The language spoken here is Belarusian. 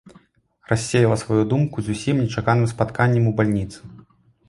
Рассеяла сваю думку зусім нечаканым спатканнем у бальніцы.